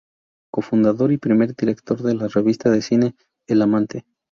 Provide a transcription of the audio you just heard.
Cofundador y primer director de la revista de cine "El Amante".